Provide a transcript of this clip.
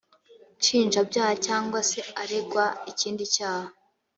nshinjabyaha cyangwa se aregwa ikindi cyaha